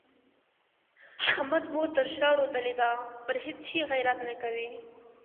احمد مور تر شا رودلې ده؛ پر هيڅ شي غيرت نه کوي.